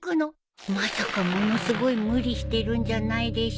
まさかものすごい無理してるんじゃないでしょうね？